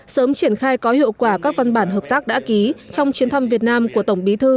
sớm triển khai có hiệu quả các văn bản hợp tác đã ký trong chuyến thăm việt nam của tổng bí thư